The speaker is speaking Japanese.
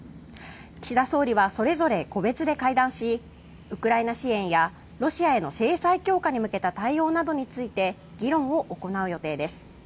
岸田総理はそれぞれ個別で会談しウクライナ支援やロシアへの制裁強化に向けた対応などについて議論を行う予定です。